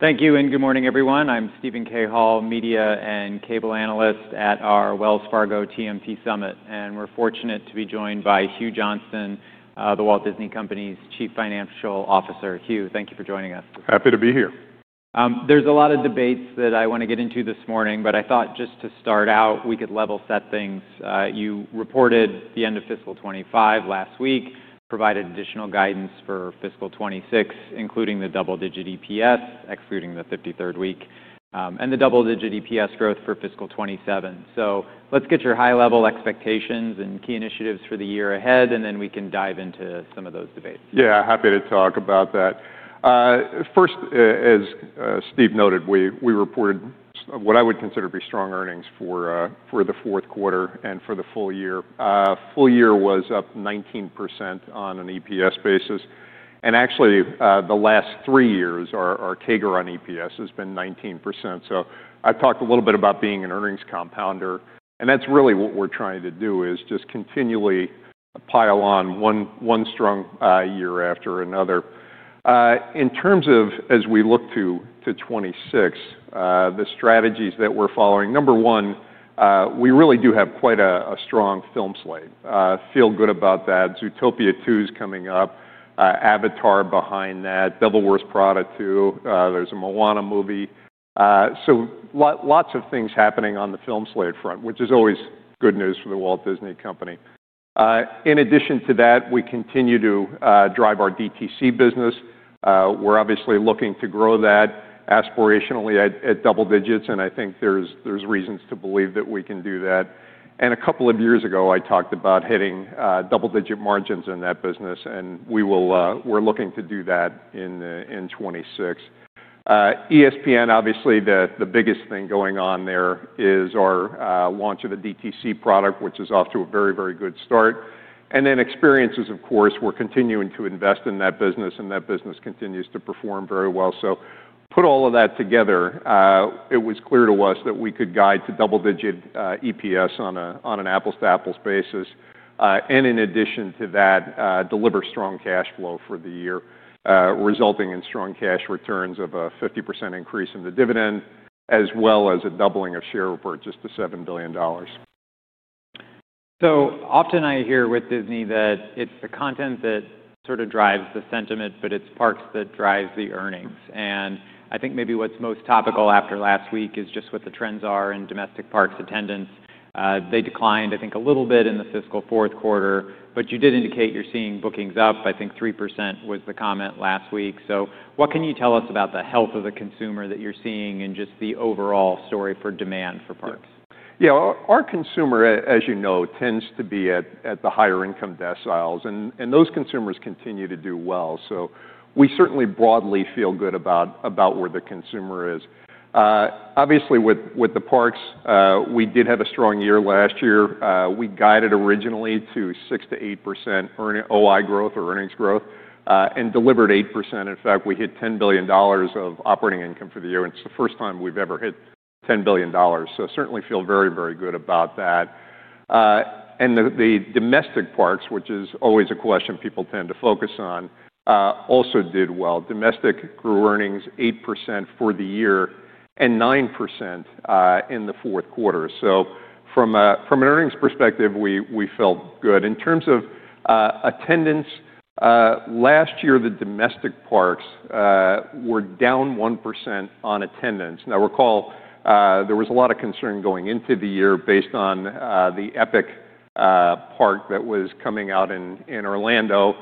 Thank you, and good morning, everyone. I'm Steven Cahall, media and cable analyst at our Wells Fargo TMT Summit, and we're fortunate to be joined by Hugh Johnston, The Walt Disney Company's Chief Financial Officer. Hugh, thank you for joining us. Happy to be here. There's a lot of debates that I want to get into this morning, but I thought just to start out, we could level set things. You reported the end of fiscal 2025 last week, provided additional guidance for fiscal 2026, including the double-digit EPS, excluding the 53rd week, and the double-digit EPS growth for fiscal 2027. Let's get your high-level expectations and key initiatives for the year ahead, and then we can dive into some of those debates. Yeah, happy to talk about that. First, as Steve noted, we reported what I would consider to be strong earnings for the fourth quarter and for the full year. Full year was up 19% on an EPS basis. Actually, the last three years, our CAGR on EPS has been 19%. I have talked a little bit about being an earnings compounder, and that is really what we are trying to do, just continually pile on one strong year after another. In terms of, as we look to 2026, the strategies that we are following, number one, we really do have quite a strong film slate. Feel good about that. Zootopia 2 is coming up, Avatar behind that, Devil Wears Prada 2, there is a Moana movie. Lots of things happening on the film slate front, which is always good news for the Walt Disney Company. In addition to that, we continue to drive our DTC business. We're obviously looking to grow that aspirationally at double digits, and I think there's reasons to believe that we can do that. A couple of years ago, I talked about hitting double-digit margins in that business, and we're looking to do that in 2026. ESPN, obviously, the biggest thing going on there is our launch of a DTC product, which is off to a very, very good start. Experiences, of course, we're continuing to invest in that business, and that business continues to perform very well. Put all of that together, it was clear to us that we could guide to double-digit EPS on an apples-to-apples basis. In addition to that, deliver strong cash flow for the year, resulting in strong cash returns of a 50% increase in the dividend, as well as a doubling of share repurchase to $7 billion. Often I hear with Disney that it's the content that sort of drives the sentiment, but it's parks that drives the earnings. I think maybe what's most topical after last week is just what the trends are in domestic parks attendance. They declined, I think, a little bit in the fiscal fourth quarter, but you did indicate you're seeing bookings up. I think 3% was the comment last week. What can you tell us about the health of the consumer that you're seeing and just the overall story for demand for parks? Yeah, our consumer, as you know, tends to be at the higher-income deciles, and those consumers continue to do well. We certainly broadly feel good about where the consumer is. Obviously, with the parks, we did have a strong year last year. We guided originally to 6%-8% OI growth or earnings growth and delivered 8%. In fact, we hit $10 billion of operating income for the year, and it's the first time we've ever hit $10 billion. We certainly feel very, very good about that. The domestic parks, which is always a question people tend to focus on, also did well. Domestic grew earnings 8% for the year and 9% in the fourth quarter. From an earnings perspective, we felt good. In terms of attendance, last year, the domestic parks were down 1% on attendance. Now, recall, there was a lot of concern going into the year based on the Epic park that was coming out in Orlando.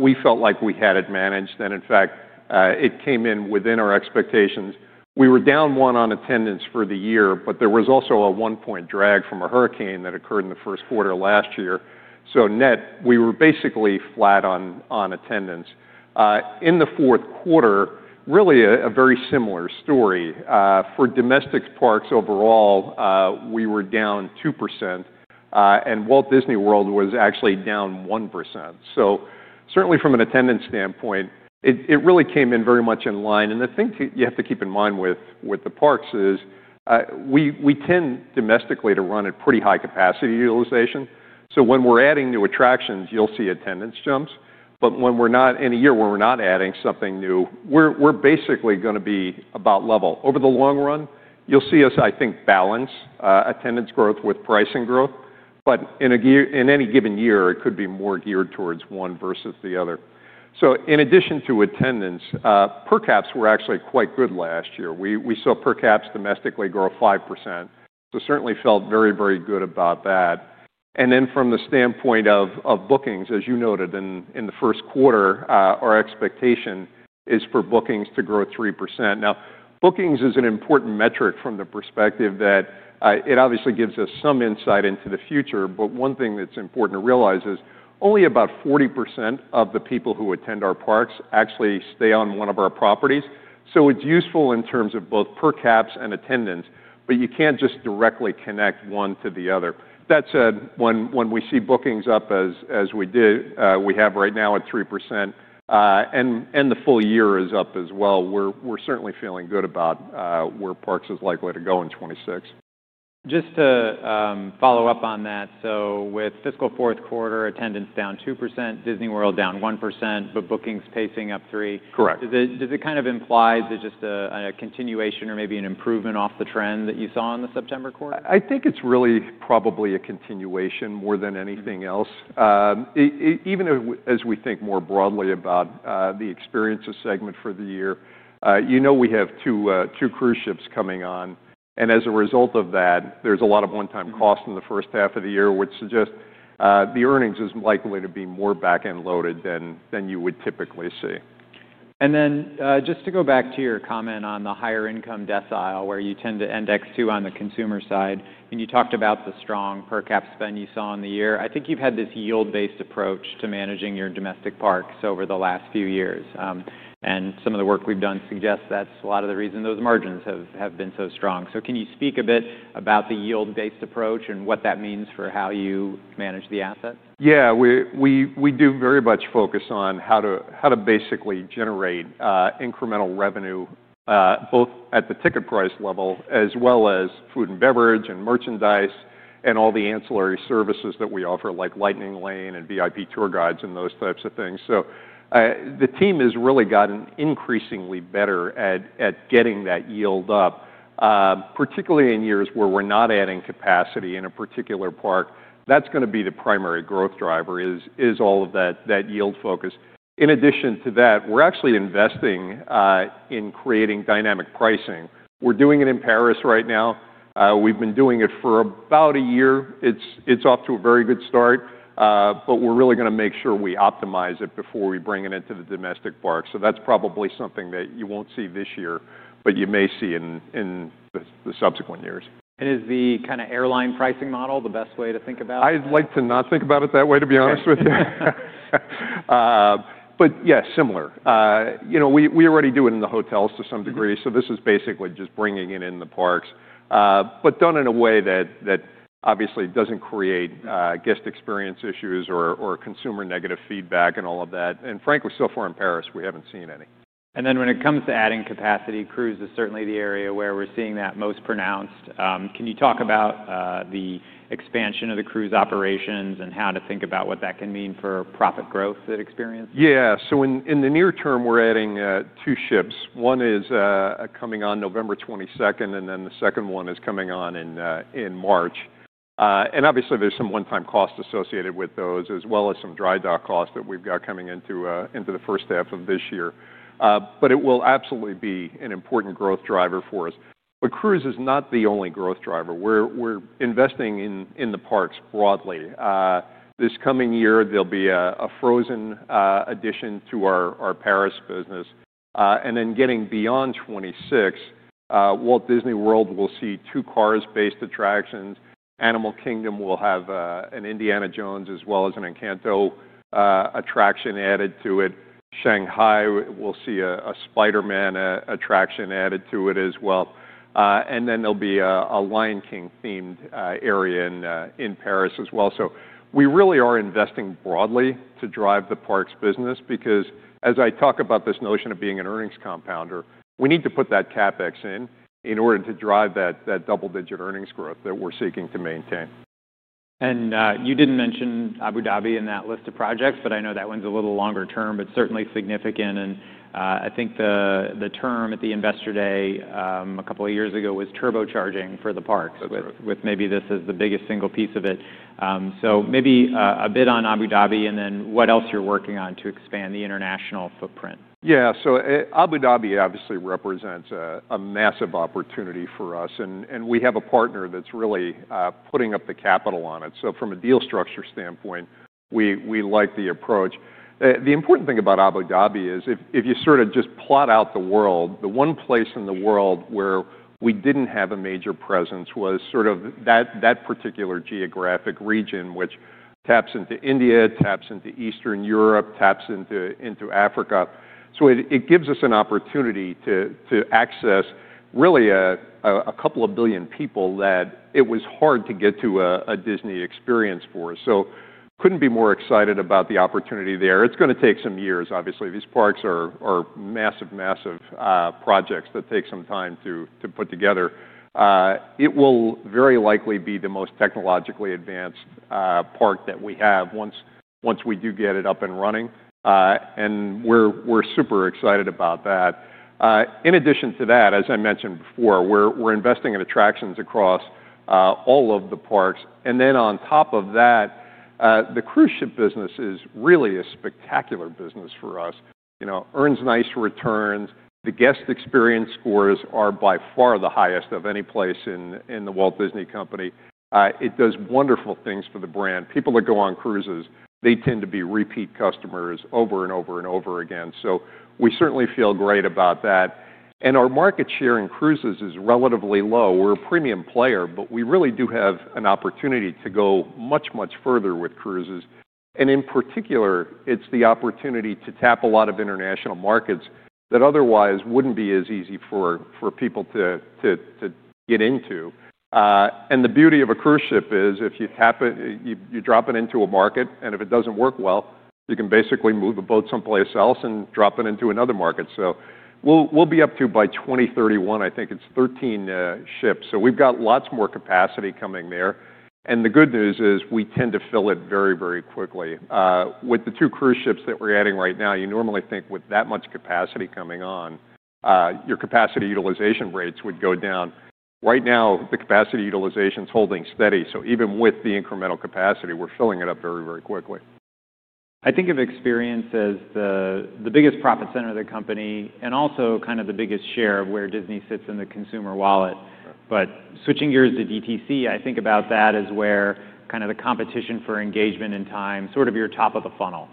We felt like we had it managed, and in fact, it came in within our expectations. We were down one on attendance for the year, but there was also a one-point drag from a hurricane that occurred in the first quarter last year. Net, we were basically flat on attendance. In the fourth quarter, really a very similar story. For domestic parks overall, we were down 2%, and Walt Disney World was actually down 1%. Certainly from an attendance standpoint, it really came in very much in line. The thing you have to keep in mind with the parks is we tend domestically to run at pretty high capacity utilization. When we're adding new attractions, you'll see attendance jumps. In a year where we're not adding something new, we're basically going to be about level. Over the long run, you'll see us, I think, balance attendance growth with pricing growth. In any given year, it could be more geared towards one versus the other. In addition to attendance, per caps were actually quite good last year. We saw per caps domestically grow 5%. Certainly felt very, very good about that. From the standpoint of bookings, as you noted in the first quarter, our expectation is for bookings to grow 3%. Bookings is an important metric from the perspective that it obviously gives us some insight into the future, but one thing that's important to realize is only about 40% of the people who attend our parks actually stay on one of our properties. It is useful in terms of both per caps and attendance, but you cannot just directly connect one to the other. That said, when we see bookings up as we did, we have right now at 3%, and the full year is up as well. We are certainly feeling good about where parks is likely to go in 2026. Just to follow up on that, with fiscal fourth quarter attendance down 2%, Disney World down 1%, but bookings pacing up 3%. Correct. Does it kind of imply just a continuation or maybe an improvement off the trend that you saw in the September quarter? I think it's really probably a continuation more than anything else. Even as we think more broadly about the experience of segment for the year, you know we have two cruise ships coming on, and as a result of that, there's a lot of one-time cost in the first half of the year, which suggests the earnings is likely to be more back-end loaded than you would typically see. Just to go back to your comment on the higher-income decile, where you tend to index to on the consumer side, and you talked about the strong per caps spend you saw in the year, I think you've had this yield-based approach to managing your domestic parks over the last few years. Some of the work we've done suggests that's a lot of the reason those margins have been so strong. Can you speak a bit about the yield-based approach and what that means for how you manage the assets? Yeah, we do very much focus on how to basically generate incremental revenue, both at the ticket price level, as well as food and beverage and merchandise and all the ancillary services that we offer, like Lightning Lane and VIP tour guides and those types of things. The team has really gotten increasingly better at getting that yield up, particularly in years where we're not adding capacity in a particular park. That's going to be the primary growth driver, is all of that yield focus. In addition to that, we're actually investing in creating dynamic pricing. We're doing it in Paris right now. We've been doing it for about a year. It's off to a very good start, but we're really going to make sure we optimize it before we bring it into the domestic park. That's probably something that you won't see this year, but you may see in the subsequent years. Is the kind of airline pricing model the best way to think about it? I'd like to not think about it that way, to be honest with you. Yeah, similar. We already do it in the hotels to some degree, so this is basically just bringing it in the parks, but done in a way that obviously doesn't create guest experience issues or consumer negative feedback and all of that. Frankly, so far in Paris, we haven't seen any. When it comes to adding capacity, cruise is certainly the area where we're seeing that most pronounced. Can you talk about the expansion of the cruise operations and how to think about what that can mean for profit growth that experience? Yeah, so in the near term, we're adding two ships. One is coming on November 22nd, and then the second one is coming on in March. Obviously, there's some one-time cost associated with those, as well as some dry dock costs that we've got coming into the first half of this year. It will absolutely be an important growth driver for us. Cruise is not the only growth driver. We're investing in the parks broadly. This coming year, there'll be a Frozen addition to our Paris business. Getting beyond 2026, Walt Disney World will see two Cars-based attractions. Animal Kingdom will have an Indiana Jones as well as an Encanto attraction added to it. Shanghai will see a Spider-Man attraction added to it as well. There will be a Lion King-themed area in Paris as well. We really are investing broadly to drive the parks business because, as I talk about this notion of being an earnings compounder, we need to put that CapEx in in order to drive that double-digit earnings growth that we're seeking to maintain. You did not mention Abu Dhabi in that list of projects, but I know that one is a little longer term, but certainly significant. I think the term at the Investor Day a couple of years ago was turbocharging for the parks, with maybe this as the biggest single piece of it. Maybe a bit on Abu Dhabi and then what else you are working on to expand the international footprint. Yeah, Abu Dhabi obviously represents a massive opportunity for us, and we have a partner that's really putting up the capital on it. From a deal structure standpoint, we like the approach. The important thing about Abu Dhabi is if you sort of just plot out the world, the one place in the world where we didn't have a major presence was that particular geographic region, which taps into India, taps into Eastern Europe, taps into Africa. It gives us an opportunity to access really a couple of billion people that it was hard to get to a Disney experience for. Couldn't be more excited about the opportunity there. It's going to take some years, obviously. These parks are massive, massive projects that take some time to put together. It will very likely be the most technologically advanced park that we have once we do get it up and running, and we're super excited about that. In addition to that, as I mentioned before, we're investing in attractions across all of the parks. On top of that, the cruise ship business is really a spectacular business for us. Earns nice returns. The guest experience scores are by far the highest of any place in the Walt Disney Company. It does wonderful things for the brand. People that go on cruises, they tend to be repeat customers over and over and over again. We certainly feel great about that. Our market share in cruises is relatively low. We're a premium player, but we really do have an opportunity to go much, much further with cruises. It is the opportunity to tap a lot of international markets that otherwise would not be as easy for people to get into. The beauty of a cruise ship is if you drop it into a market, and if it does not work well, you can basically move the boat someplace else and drop it into another market. We will be up to, by 2031, I think it is 13 ships. We have got lots more capacity coming there. The good news is we tend to fill it very, very quickly. With the two cruise ships that we are adding right now, you normally think with that much capacity coming on, your capacity utilization rates would go down. Right now, the capacity utilization is holding steady. Even with the incremental capacity, we are filling it up very, very quickly. I think of experience as the biggest profit center of the company and also kind of the biggest share of where Disney sits in the consumer wallet. Switching gears to DTC, I think about that as where kind of the competition for engagement and time sort of you're top of the funnel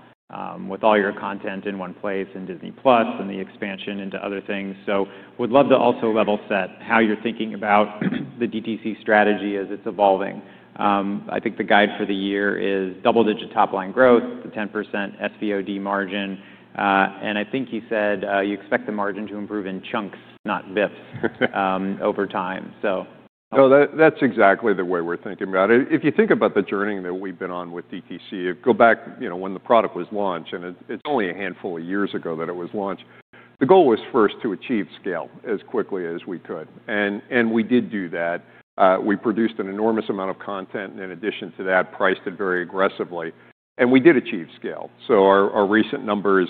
with all your content in one place in Disney+ and the expansion into other things. I would love to also level set how you're thinking about the DTC strategy as it's evolving. I think the guide for the year is double-digit top-line growth, the 10% SVOD margin. I think you said you expect the margin to improve in chunks, not VIPs, over time. No, that's exactly the way we're thinking about it. If you think about the journey that we've been on with DTC, go back when the product was launched, and it's only a handful of years ago that it was launched. The goal was first to achieve scale as quickly as we could. We did do that. We produced an enormous amount of content, and in addition to that, priced it very aggressively. We did achieve scale. Our recent numbers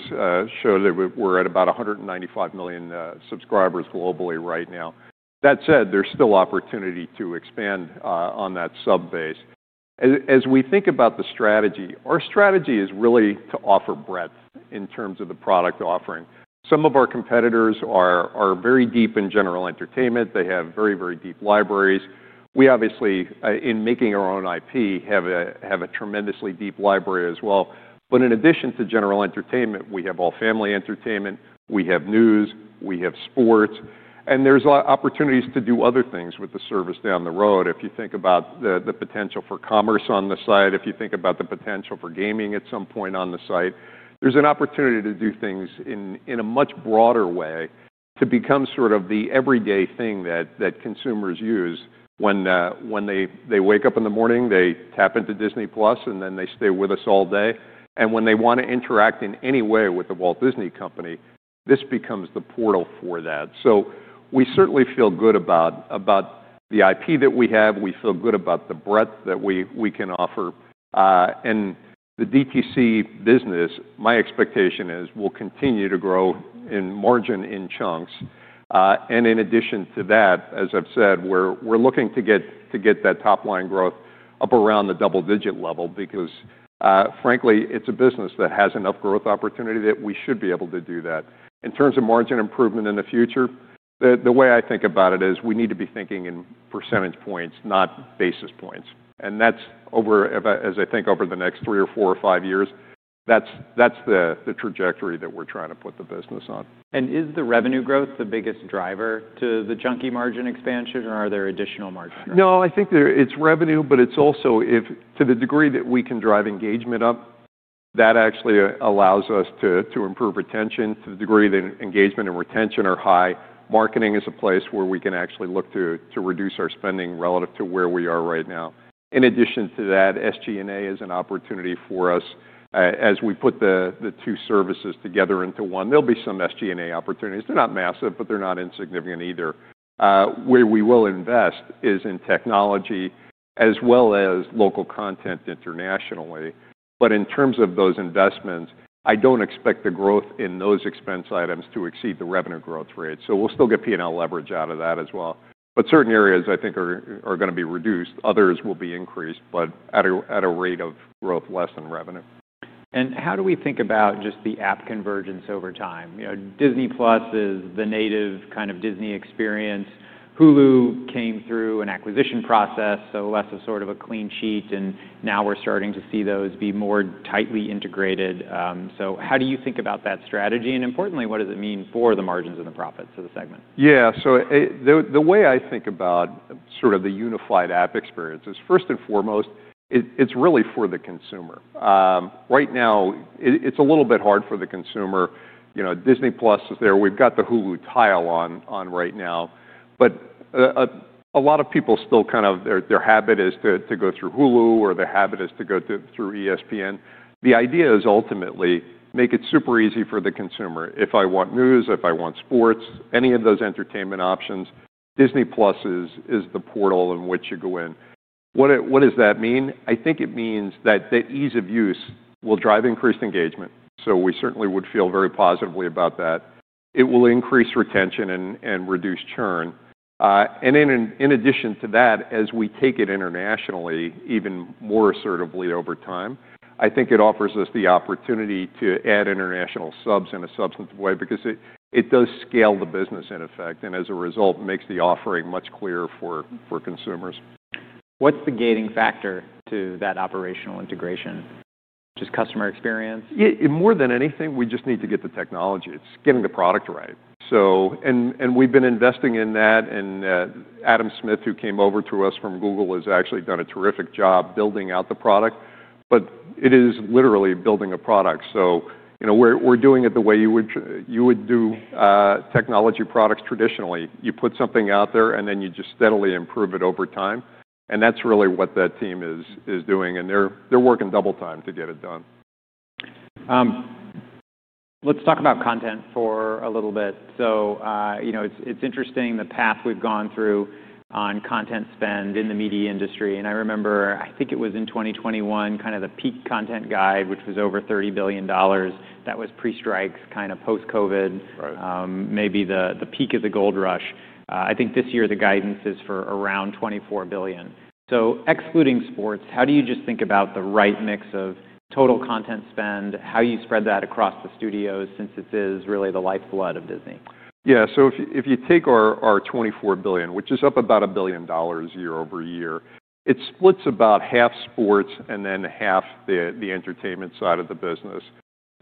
show that we're at about 195 million subscribers globally right now. That said, there's still opportunity to expand on that sub-base. As we think about the strategy, our strategy is really to offer breadth in terms of the product offering. Some of our competitors are very deep in general entertainment. They have very, very deep libraries. We obviously, in making our own IP, have a tremendously deep library as well. In addition to general entertainment, we have all-family entertainment. We have news. We have sports. There are opportunities to do other things with the service down the road. If you think about the potential for commerce on the site, if you think about the potential for gaming at some point on the site, there is an opportunity to do things in a much broader way to become sort of the everyday thing that consumers use when they wake up in the morning, they tap into Disney+, and then they stay with us all day. When they want to interact in any way with The Walt Disney Company, this becomes the portal for that. We certainly feel good about the IP that we have. We feel good about the breadth that we can offer. The DTC business, my expectation is we'll continue to grow in margin in chunks. In addition to that, as I've said, we're looking to get that top-line growth up around the double-digit level because, frankly, it's a business that has enough growth opportunity that we should be able to do that. In terms of margin improvement in the future, the way I think about it is we need to be thinking in percentage points, not basis points. That's, as I think, over the next three or four or five years, that's the trajectory that we're trying to put the business on. Is the revenue growth the biggest driver to the chunky margin expansion, or are there additional margin? No, I think it's revenue, but it's also to the degree that we can drive engagement up, that actually allows us to improve retention to the degree that engagement and retention are high. Marketing is a place where we can actually look to reduce our spending relative to where we are right now. In addition to that, SG&A is an opportunity for us. As we put the two services together into one, there'll be some SG&A opportunities. They're not massive, but they're not insignificant either. Where we will invest is in technology as well as local content internationally. In terms of those investments, I don't expect the growth in those expense items to exceed the revenue growth rate. We'll still get P&L leverage out of that as well. Certain areas I think are going to be reduced. Others will be increased, but at a rate of growth less than revenue. How do we think about just the app convergence over time? Disney+ is the native kind of Disney experience. Hulu came through an acquisition process, so less of sort of a clean sheet, and now we're starting to see those be more tightly integrated. How do you think about that strategy? Importantly, what does it mean for the margins and the profits of the segment? Yeah, the way I think about sort of the unified app experience is, first and foremost, it's really for the consumer. Right now, it's a little bit hard for the consumer. Disney+ is there. We've got the Hulu tile on right now. A lot of people still kind of their habit is to go through Hulu, or their habit is to go through ESPN. The idea is ultimately to make it super easy for the consumer. If I want news, if I want sports, any of those entertainment options, Disney+ is the portal in which you go in. What does that mean? I think it means that the ease of use will drive increased engagement. We certainly would feel very positively about that. It will increase retention and reduce churn. In addition to that, as we take it internationally even more assertively over time, I think it offers us the opportunity to add international subs in a substantive way because it does scale the business in effect, and as a result, it makes the offering much clearer for consumers. What's the gating factor to that operational integration? Just customer experience? More than anything, we just need to get the technology. It's getting the product right. We've been investing in that. Adam Smith, who came over to us from Google, has actually done a terrific job building out the product. It is literally building a product. We're doing it the way you would do technology products traditionally. You put something out there, and then you just steadily improve it over time. That's really what that team is doing. They're working double time to get it done. Let's talk about content for a little bit. It's interesting the path we've gone through on content spend in the media industry. I remember, I think it was in 2021, kind of the peak content guide, which was over $30 billion. That was pre-Strikes, kind of post-COVID, maybe the peak of the gold rush. I think this year the guidance is for around $24 billion. Excluding sports, how do you just think about the right mix of total content spend, how you spread that across the studios since it is really the lifeblood of Disney? Yeah, so if you take our $24 billion, which is up about $1 billion year over year, it splits about half sports and then half the entertainment side of the business.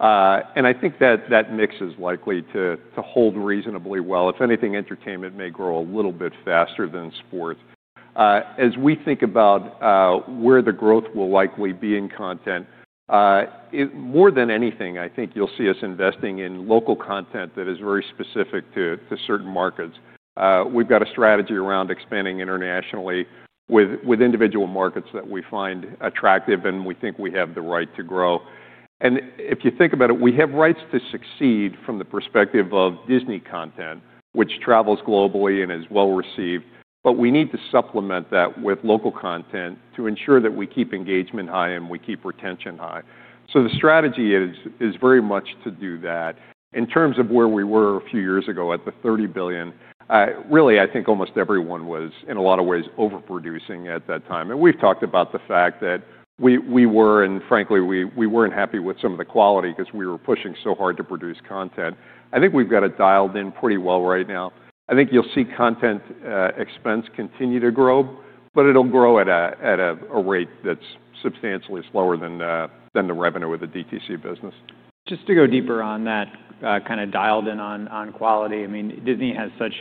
I think that mix is likely to hold reasonably well. If anything, entertainment may grow a little bit faster than sports. As we think about where the growth will likely be in content, more than anything, I think you'll see us investing in local content that is very specific to certain markets. We've got a strategy around expanding internationally with individual markets that we find attractive, and we think we have the right to grow. If you think about it, we have rights to succeed from the perspective of Disney content, which travels globally and is well received. We need to supplement that with local content to ensure that we keep engagement high and we keep retention high. The strategy is very much to do that. In terms of where we were a few years ago at the $30 billion, really, I think almost everyone was, in a lot of ways, overproducing at that time. We've talked about the fact that we were, and frankly, we weren't happy with some of the quality because we were pushing so hard to produce content. I think we've got it dialed in pretty well right now. I think you'll see content expense continue to grow, but it'll grow at a rate that's substantially slower than the revenue of the DTC business. Just to go deeper on that, kind of dialed in on quality. I mean, Disney has such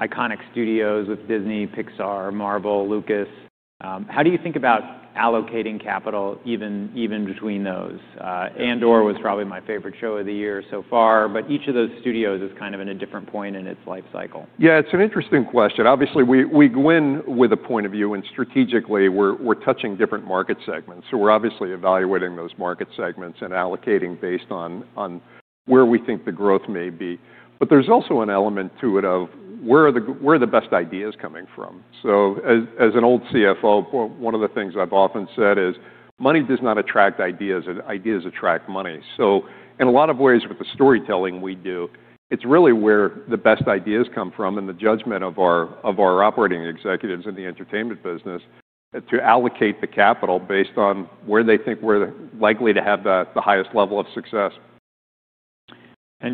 iconic studios with Disney, Pixar, Marvel, Lucas. How do you think about allocating capital even between those? Andor was probably my favorite show of the year so far, but each of those studios is kind of in a different point in its life cycle. Yeah, it's an interesting question. Obviously, we go in with a point of view, and strategically, we're touching different market segments. We're obviously evaluating those market segments and allocating based on where we think the growth may be. There's also an element to it of where are the best ideas coming from. As an old CFO, one of the things I've often said is money does not attract ideas. Ideas attract money. In a lot of ways with the storytelling we do, it's really where the best ideas come from and the judgment of our operating executives in the entertainment business to allocate the capital based on where they think we're likely to have the highest level of success.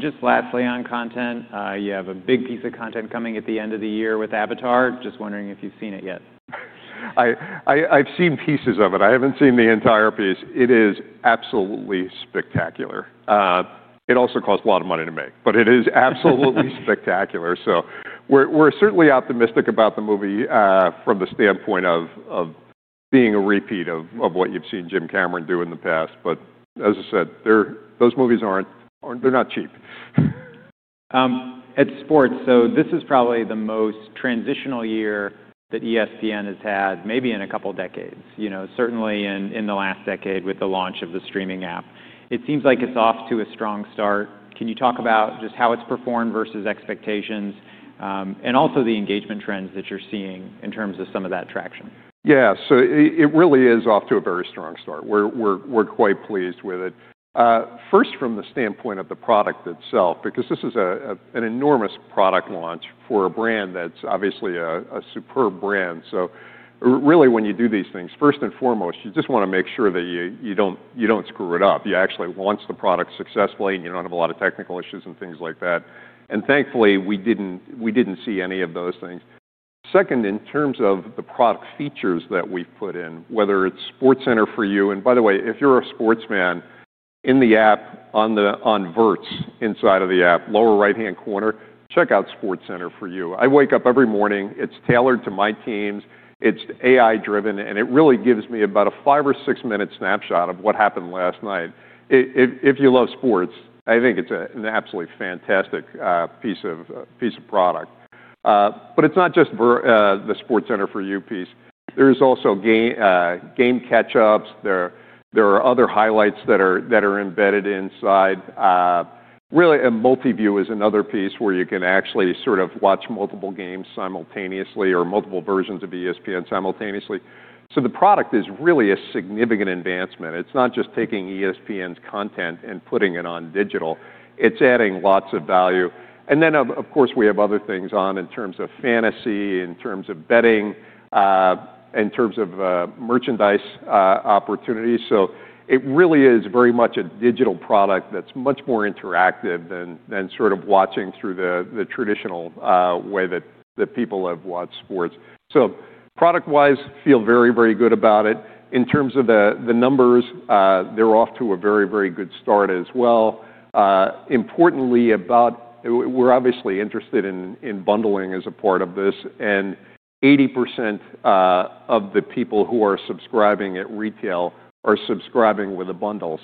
Just lastly on content, you have a big piece of content coming at the end of the year with Avatar. Just wondering if you've seen it yet. I've seen pieces of it. I haven't seen the entire piece. It is absolutely spectacular. It also costs a lot of money to make, but it is absolutely spectacular. We're certainly optimistic about the movie from the standpoint of being a repeat of what you've seen Jim Cameron do in the past. As I said, those movies aren't, they're not cheap. At sports, this is probably the most transitional year that ESPN has had, maybe in a couple of decades, certainly in the last decade with the launch of the streaming app. It seems like it's off to a strong start. Can you talk about just how it's performed versus expectations and also the engagement trends that you're seeing in terms of some of that traction? Yeah, so it really is off to a very strong start. We're quite pleased with it. First, from the standpoint of the product itself, because this is an enormous product launch for a brand that's obviously a superb brand. Really, when you do these things, first and foremost, you just want to make sure that you don't screw it up. You actually launch the product successfully, and you don't have a lot of technical issues and things like that. Thankfully, we didn't see any of those things. Second, in terms of the product features that we've put in, whether it's SportsCenter for You, and by the way, if you're a sports fan, in the app on Verts inside of the app, lower right-hand corner, check out SportsCenter for You. I wake up every morning. It's tailored to my teams. It's AI-driven, and it really gives me about a five or six-minute snapshot of what happened last night. If you love sports, I think it's an absolutely fantastic piece of product. It's not just the SportsCenter for You piece. There are also game catch-ups. There are other highlights that are embedded inside. Really, a multi-view is another piece where you can actually sort of watch multiple games simultaneously or multiple versions of ESPN simultaneously. The product is really a significant advancement. It's not just taking ESPN's content and putting it on digital. It's adding lots of value. Of course, we have other things on in terms of fantasy, in terms of betting, in terms of merchandise opportunities. It really is very much a digital product that's much more interactive than sort of watching through the traditional way that people have watched sports. Product-wise, I feel very, very good about it. In terms of the numbers, they're off to a very, very good start as well. Importantly, we're obviously interested in bundling as a part of this. 80% of the people who are subscribing at retail are subscribing with a bundle.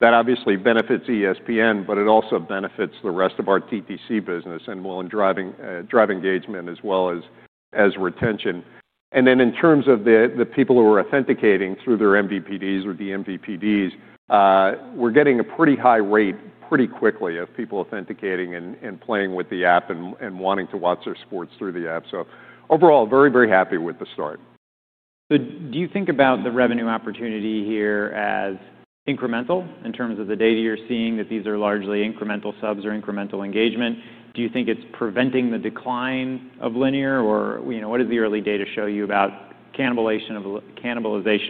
That obviously benefits ESPN, but it also benefits the rest of our DTC business and will in driving engagement as well as retention. In terms of the people who are authenticating through their MVPDs or DMVPDs, we're getting a pretty high rate pretty quickly of people authenticating and playing with the app and wanting to watch their sports through the app. Overall, very, very happy with the start. Do you think about the revenue opportunity here as incremental in terms of the data you're seeing that these are largely incremental subs or incremental engagement? Do you think it's preventing the decline of Linear? Or what does the early data show you about cannibalization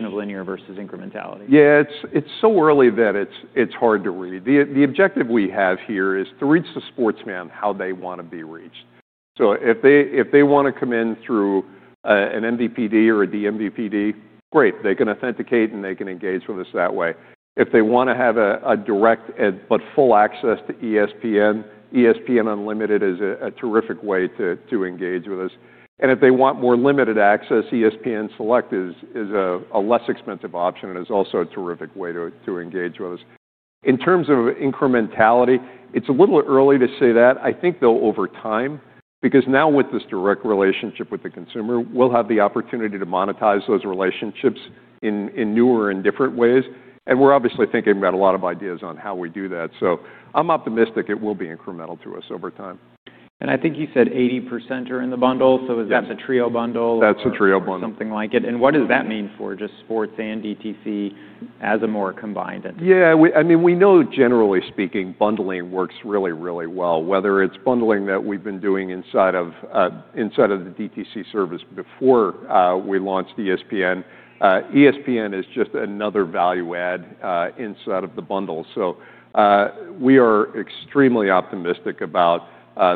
of Linear versus incrementality? Yeah, it's so early that it's hard to read. The objective we have here is to reach the sports fan how they want to be reached. If they want to come in through an MVPD or a DMVPD, great. They can authenticate, and they can engage with us that way. If they want to have a direct but full access to ESPN, ESPN Unlimited is a terrific way to engage with us. If they want more limited access, ESPN Select is a less expensive option and is also a terrific way to engage with us. In terms of incrementality, it's a little early to say that. I think though over time, because now with this direct relationship with the consumer, we'll have the opportunity to monetize those relationships in newer and different ways. We're obviously thinking about a lot of ideas on how we do that. I'm optimistic it will be incremental to us over time. I think you said 80% are in the bundle. Is that the trio bundle? That's a trio bundle. Something like it. What does that mean for just sports and DTC as a more combined entity? Yeah, I mean, we know generally speaking, bundling works really, really well, whether it's bundling that we've been doing inside of the DTC service before we launched ESPN. ESPN is just another value add inside of the bundle. We are extremely optimistic about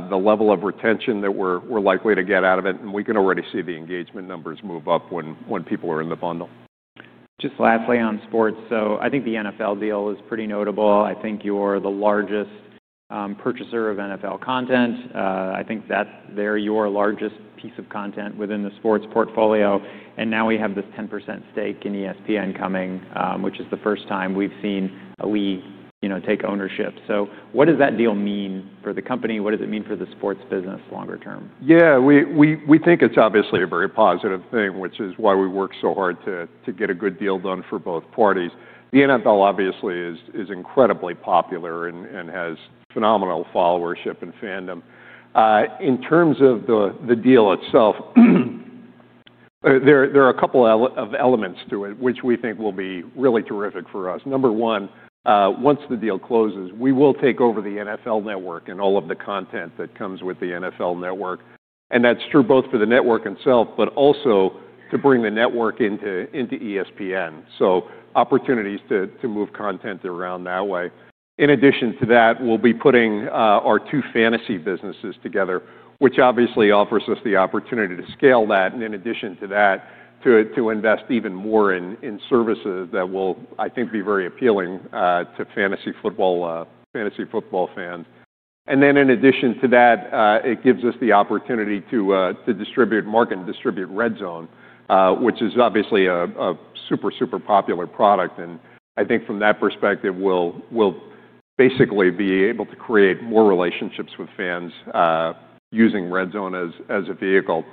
the level of retention that we're likely to get out of it. We can already see the engagement numbers move up when people are in the bundle. Just lastly on sports, I think the NFL deal is pretty notable. I think you're the largest purchaser of NFL content. I think that they're your largest piece of content within the sports portfolio. Now we have this 10% stake in ESPN coming, which is the first time we've seen a league take ownership. What does that deal mean for the company? What does it mean for the sports business longer term? Yeah, we think it's obviously a very positive thing, which is why we work so hard to get a good deal done for both parties. The NFL obviously is incredibly popular and has phenomenal followership and fandom. In terms of the deal itself, there are a couple of elements to it, which we think will be really terrific for us. Number one, once the deal closes, we will take over the NFL network and all of the content that comes with the NFL network. That's true both for the network itself, but also to bring the network into ESPN. Opportunities to move content around that way. In addition to that, we'll be putting our two fantasy businesses together, which obviously offers us the opportunity to scale that. In addition to that, to invest even more in services that will, I think, be very appealing to fantasy football fans. In addition to that, it gives us the opportunity to distribute Mark and distribute RedZone, which is obviously a super, super popular product. I think from that perspective, we'll basically be able to create more relationships with fans using RedZone as a vehicle.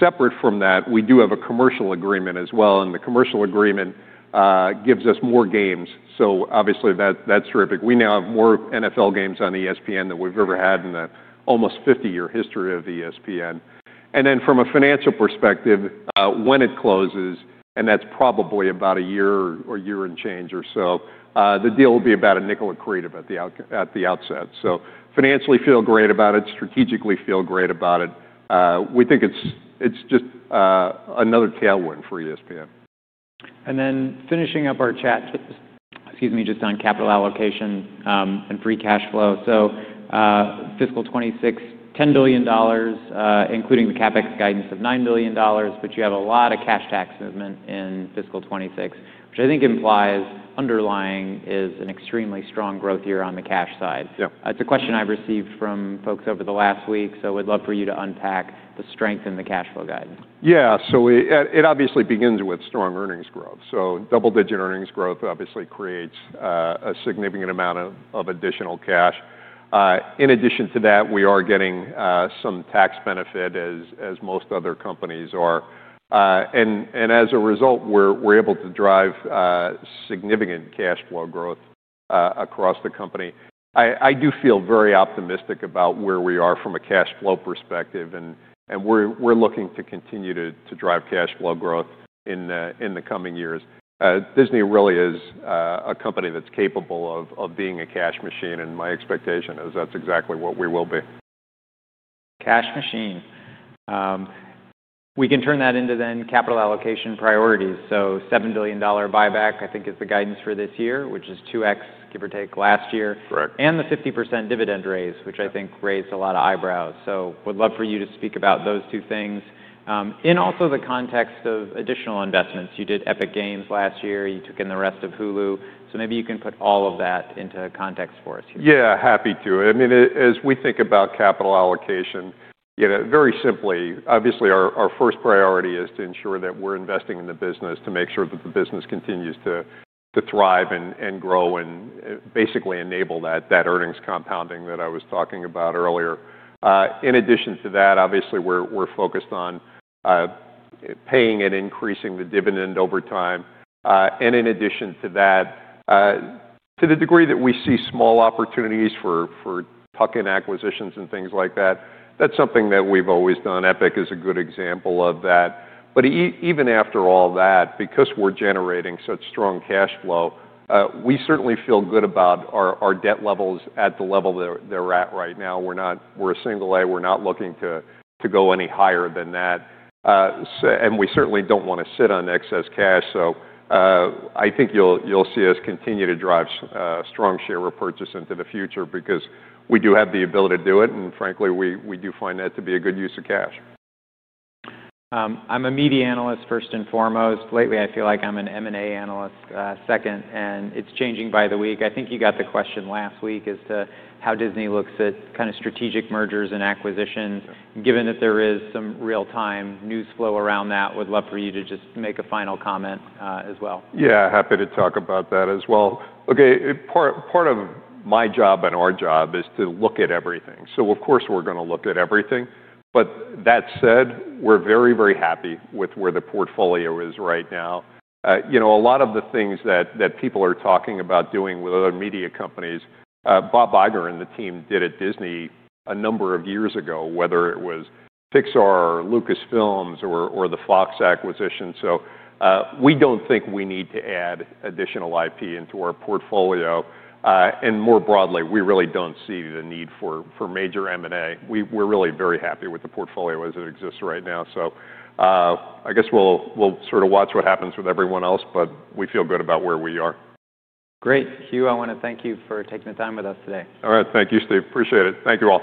Separate from that, we do have a commercial agreement as well. The commercial agreement gives us more games. Obviously, that's terrific. We now have more NFL games on ESPN than we've ever had in the almost 50-year history of ESPN. From a financial perspective, when it closes, and that's probably about a year or year and change or so, the deal will be about a nickel accretive at the outset. Financially, feel great about it. Strategically, feel great about it. We think it's just another tailwind for ESPN. Finishing up our chat, excuse me, just on capital allocation and free cash flow. Fiscal 2026, $10 billion, including the CapEx guidance of $9 billion. You have a lot of cash tax movement in fiscal 2026, which I think implies underlying is an extremely strong growth year on the cash side. It's a question I've received from folks over the last week. I would love for you to unpack the strength in the cash flow guidance. Yeah, it obviously begins with strong earnings growth. Double-digit earnings growth obviously creates a significant amount of additional cash. In addition to that, we are getting some tax benefit, as most other companies are. As a result, we're able to drive significant cash flow growth across the company. I do feel very optimistic about where we are from a cash flow perspective. We're looking to continue to drive cash flow growth in the coming years. Disney really is a company that's capable of being a cash machine. My expectation is that's exactly what we will be. Cash machine. We can turn that into then capital allocation priorities. $7 billion buyback, I think, is the guidance for this year, which is 2x, give or take, last year. Correct. The 50% dividend raise, which I think raised a lot of eyebrows. Would love for you to speak about those two things in also the context of additional investments. You did Epic Games last year. You took in the rest of Hulu. Maybe you can put all of that into context for us here. Yeah, happy to. I mean, as we think about capital allocation, very simply, obviously, our first priority is to ensure that we're investing in the business to make sure that the business continues to thrive and grow and basically enable that earnings compounding that I was talking about earlier. In addition to that, obviously, we're focused on paying and increasing the dividend over time. In addition to that, to the degree that we see small opportunities for tuck-in acquisitions and things like that, that's something that we've always done. Epic is a good example of that. Even after all that, because we're generating such strong cash flow, we certainly feel good about our debt levels at the level they're at right now. We're a single A. We're not looking to go any higher than that. We certainly don't want to sit on excess cash. I think you'll see us continue to drive strong share repurchase into the future because we do have the ability to do it. Frankly, we do find that to be a good use of cash. I'm a media analyst, first and foremost. Lately, I feel like I'm an M&A analyst, second. It's changing by the week. I think you got the question last week as to how Disney looks at kind of strategic mergers and acquisitions. Given that there is some real-time news flow around that, would love for you to just make a final comment as well. Yeah, happy to talk about that as well. Okay, part of my job and our job is to look at everything. Of course, we're going to look at everything. That said, we're very, very happy with where the portfolio is right now. A lot of the things that people are talking about doing with other media companies, Bob Iger and the team did at Disney a number of years ago, whether it was Pixar or Lucasfilm or the Fox acquisition. We do not think we need to add additional IP into our portfolio. More broadly, we really do not see the need for major M&A. We're really very happy with the portfolio as it exists right now. I guess we'll sort of watch what happens with everyone else. We feel good about where we are. Great. Hugh, I want to thank you for taking the time with us today. All right. Thank you, Steve. Appreciate it. Thank you all.